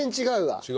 違う？